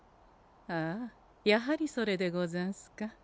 ああやはりそれでござんすか。